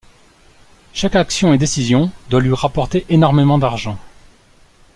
Chaque action et décision doit lui rapporter énormément d'argent.